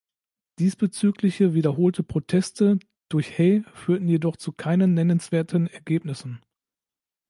Diesbezügliche wiederholte Proteste durch Hay führten jedoch zu keinen nennenswerten Ergebnissen.